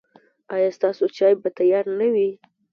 ایا ستاسو چای به تیار نه وي؟